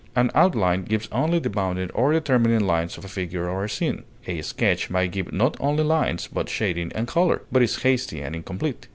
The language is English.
An outline gives only the bounding or determining lines of a figure or a scene; a sketch may give not only lines, but shading and color, but is hasty and incomplete.